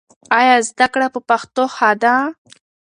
ایا زده کړه په پښتو ښه ده؟